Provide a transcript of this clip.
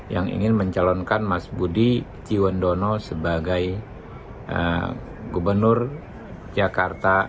yang ingin mencalonkan mas budi ciwandono sebagai gubernur jakarta